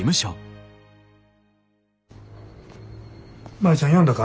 舞ちゃん呼んだか？